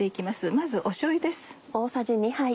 まずしょうゆです。